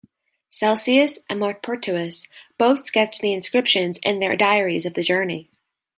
Celsius and Maupertuis both sketched the inscriptions in their diaries of the journey.